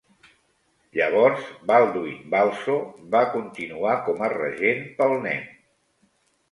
Llavors Baldwin Balso va continuar com a regent pel nen.